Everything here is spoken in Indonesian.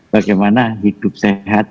bagaimana hidup sehat